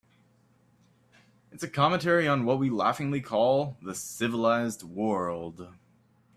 It's a commentary on what we laughingly call the civilized world.